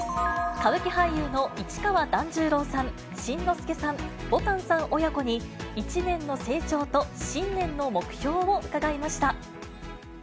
歌舞伎俳優の市川團十郎さん、新之助さん、ぼたんさん親子に、１年の成長と新年の目標を伺いました。